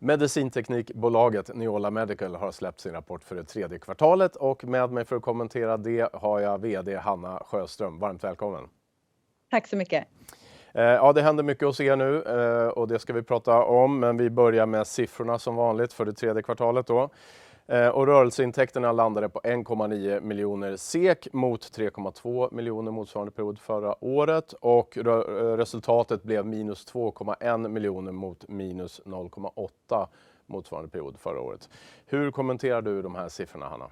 Medicinteknikbolaget Neola Medical har släppt sin rapport för det tredje kvartalet och med mig för att kommentera det har jag VD Hanna Sjöström. Varmt välkommen. Tack så mycket. Ja, det händer mycket hos er nu och det ska vi prata om, men vi börjar med siffrorna som vanligt för det tredje kvartalet då. Rörelseintäkterna landade på 1.9 miljoner SEK mot 3.2 miljoner motsvarande period förra året och röresultatet blev -2.1 miljoner mot -0.8 miljoner motsvarande period förra året. Hur kommenterar du de här siffrorna, Hanna?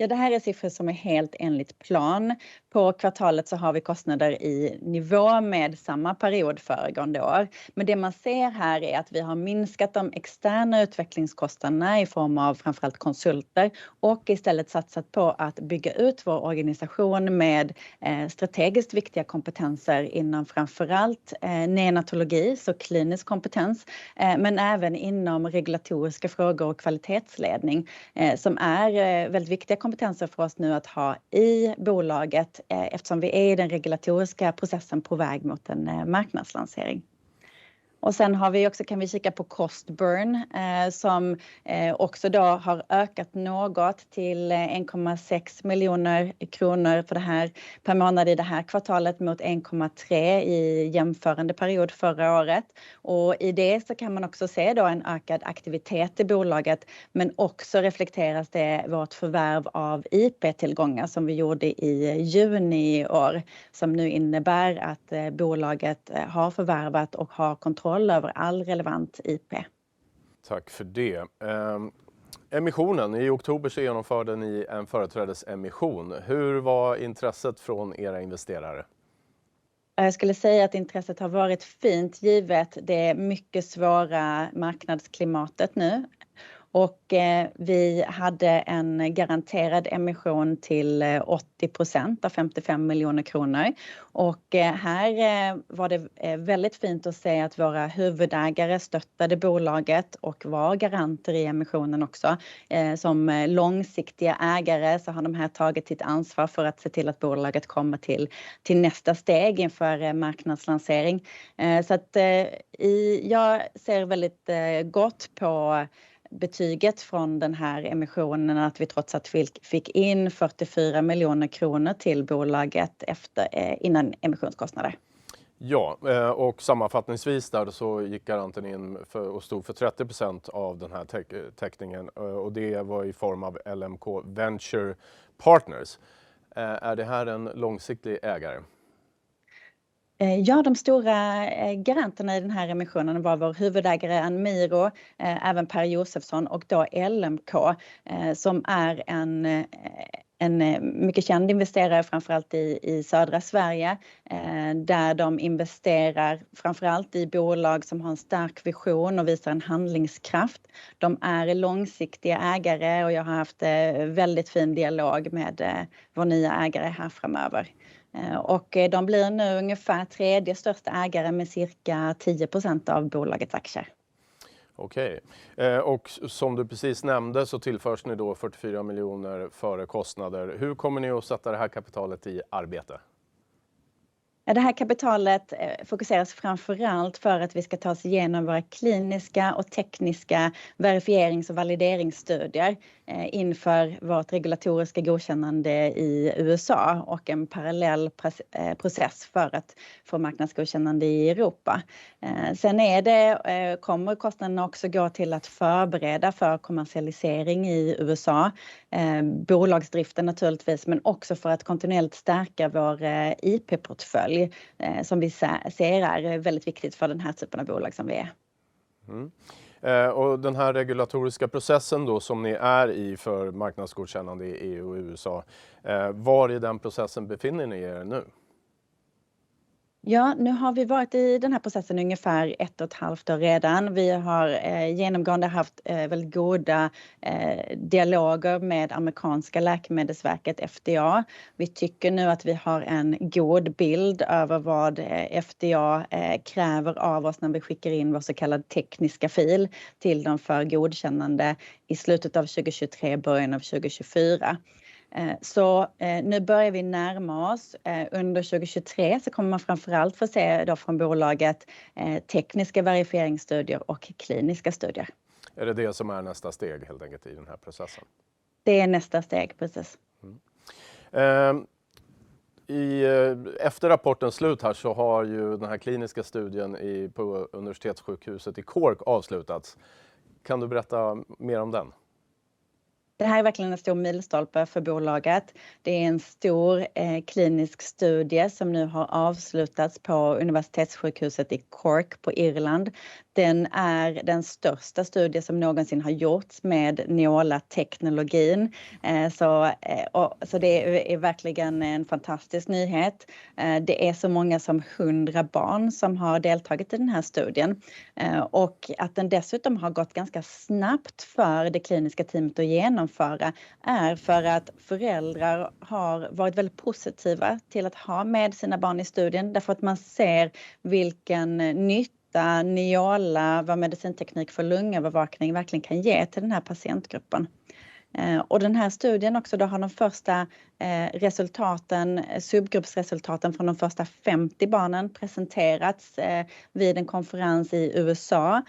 Ja, det här är siffror som är helt enligt plan. På kvartalet så har vi kostnader i nivå med samma period föregående år. Men det man ser här är att vi har minskat de externa utvecklingskostnaderna i form av framför allt konsulter och istället satsat på att bygga ut vår organisation med strategiskt viktiga kompetenser inom framför allt neonatologi, så klinisk kompetens, men även inom regulatoriska frågor och kvalitetsledning, som är väldigt viktiga kompetenser för oss nu att ha i bolaget eftersom vi är i den regulatoriska processen på väg mot en marknadslansering. Sen har vi också kan vi kika på cost burn som också då har ökat något till 1.6 miljoner kronor per månad i det här kvartalet mot 1.3 i jämförande period förra året. i det så kan man också se då en ökad aktivitet i bolaget, men också reflekteras i vårt förvärv av IP-tillgångar som vi gjorde i juni i år, som nu innebär att bolaget har förvärvat och har kontroll över all relevant IP. Tack för det. Emissionen, i oktober så genomförde ni en företrädesemission. Hur var intresset från era investerare? Ja, jag skulle säga att intresset har varit fint givet det mycket svåra marknadsklimatet nu. Vi hade en garanterad emission till 80% av 55 miljoner kronor. Här var det väldigt fint att se att våra huvudägare stöttade bolaget och var garanter i emissionen också. Som långsiktiga ägare så har de här tagit ett ansvar för att se till att bolaget kommer till nästa steg inför marknadslansering. Jag ser väldigt gott på betyget från den här emissionen att vi trots att fick in 44 miljoner kronor till bolaget efter emissionskostnader. Sammanfattningsvis där så gick garanten in för och stod för 30% av den här täckningen och det var i form av LMK Venture Partners. Är det här en långsiktig ägare? Ja, de stora garanterna i den här emissionen var vår huvudägare ANMIRO, även Pär Josefsson och då LMK, som är en mycket känd investerare, framför allt i södra Sverige, där de investerar framför allt i bolag som har en stark vision och visar en handlingskraft. De är långsiktiga ägare och jag har haft väldigt fin dialog med vår nya ägare här framöver. De blir nu ungefär tredje största ägare med cirka 10% av bolagets aktier. Okej, och som du precis nämnde så tillförs ni då 44 miljoner före kostnader. Hur kommer ni att sätta det här kapitalet i arbete? Ja, det här kapitalet fokuseras framför allt för att vi ska ta oss igenom våra kliniska och tekniska verifierings- och valideringsstudier inför vårt regulatoriska godkännande i USA och en parallell process för att få marknadsgodkännande i Europa. Kommer kostnaderna också gå till att förbereda för kommersialisering i USA. Bolagsdriften naturligtvis, men också för att kontinuerligt stärka vår IP-portfölj som vi ser är väldigt viktigt för den här typen av bolag som vi är. Den här regulatoriska processen då som ni är i för marknadsgodkännande i EU och USA, var i den processen befinner ni er nu? Ja, nu har vi varit i den här processen i ungefär 1.5 år redan. Vi har genomgående haft väldigt goda dialoger med amerikanska läkemedelsverket FDA. Vi tycker nu att vi har en god bild över vad FDA kräver av oss när vi skickar in vår så kallad tekniska fil till de för godkännande i slutet av 2023, början av 2024. Nu börjar vi närma oss. Under 2023 kommer man framför allt få se då från bolaget tekniska verifieringsstudier och kliniska studier. Är det det som är nästa steg helt enkelt i den här processen? Det är nästa steg, precis. Efter rapportens slut här så har ju den här kliniska studien på Cork University Hospital avslutats. Kan du berätta mer om den? Det här är verkligen en stor milstolpe för bolaget. Det är en stor klinisk studie som nu har avslutats på Cork University Hospital på Irland. Den är den största studie som någonsin har gjorts med Neola®. Det är verkligen en fantastisk nyhet. Det är så många som 100 barn som har deltagit i den här studien. Och att den dessutom har gått ganska snabbt för det kliniska teamet att genomföra är för att föräldrar har varit väldigt positiva till att ha med sina barn i studien därför att man ser vilken nytta Neola®, vår medicinteknik för lungövervakning verkligen kan ge till den här patientgruppen. Den här studien också, då har de första resultaten, subgruppsresultaten från de första 50 barnen presenterats vid en konferens i USA.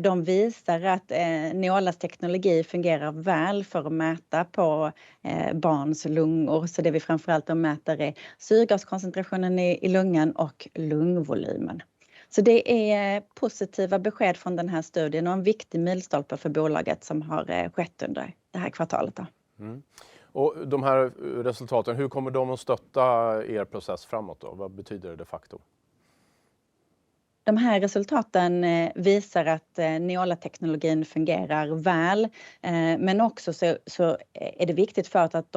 De visar att Neolas teknologi fungerar väl för att mäta på barns lungor. Det vi framför allt då mäter är syrgaskoncentrationen i lungan och lungvolymen. Det är positiva besked från den här studien och en viktig milstolpe för bolaget som har skett under det här kvartalet då. De här resultaten, hur kommer de att stötta er process framåt då? Vad betyder det de facto? De här resultaten visar att Neola® fungerar väl. Men också så är det viktigt för att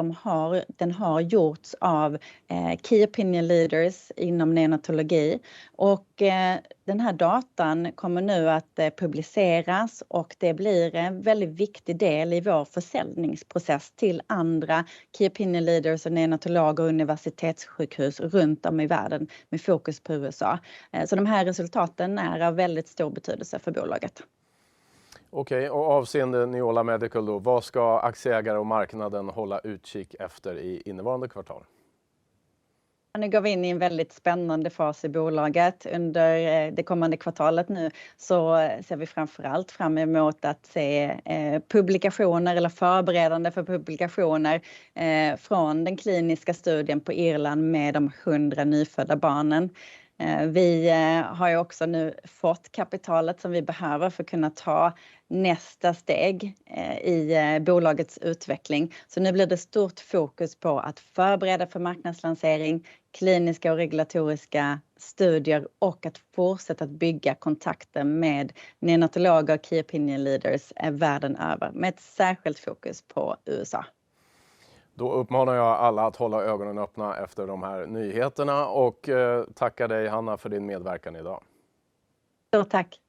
den har gjorts av Key Opinion Leaders inom neonatologi och den här datan kommer nu att publiceras och det blir en väldigt viktig del i vår försäljningsprocess till andra Key Opinion Leaders och neonatologer och universitetssjukhus runt om i världen med fokus på USA. De här resultaten är av väldigt stor betydelse för bolaget. Okej, avseende Neola Medical då, vad ska aktieägare och marknaden hålla utkik efter i innevarande kvartal? Nu går vi in i en väldigt spännande fas i bolaget under det kommande kvartalet. Nu ser vi framför allt fram emot att se publikationer eller förberedande för publikationer från den kliniska studien på Irland med de 100 nyfödda barnen. Vi har ju också nu fått kapitalet som vi behöver för att kunna ta nästa steg i bolagets utveckling. Nu blir det stort fokus på att förbereda för marknadslansering, kliniska och regulatoriska studier och att fortsätta att bygga kontakten med neonatologer och Key Opinion Leaders världen över med ett särskilt fokus på USA. Då uppmanar jag alla att hålla ögonen öppna efter de här nyheterna och tackar dig Hanna för din medverkan i dag. Stort tack.